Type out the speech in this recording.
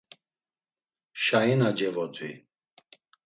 Şaina cevodvi.